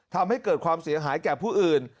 ทำให้เกิดความเสียหายแก่ผู้อื่น